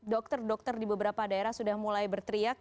dokter dokter di beberapa daerah sudah mulai berteriak